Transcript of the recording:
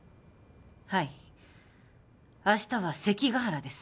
はい明日は関ヶ原です